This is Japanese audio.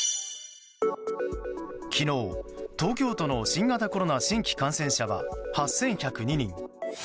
昨日、東京都の新型コロナ新規感染者は８１０２人。